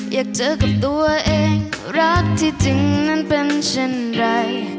อยากเจอกับตัวเองรักที่จริงนั้นเป็นเช่นไร